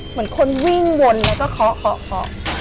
เหมือนคนวิ่งวนแล้วก็เคาะเคาะ